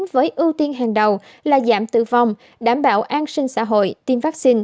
với ưu tiên hàng đầu là giảm tử vong đảm bảo an sinh xã hội tiêm vaccine